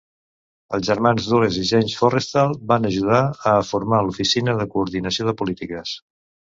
Els germans Dulles i James Forrestal van ajudar a formar l'Oficina de Coordinació de Polítiques.